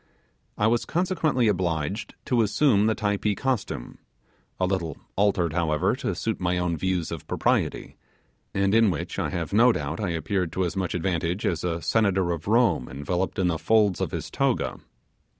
I was consequently obliged to assume the Typee costume, a little altered, however, to suit my own views of propriety, and in which I have no doubt I appeared to as much advantage as a senator of Rome enveloped in the folds of his toga.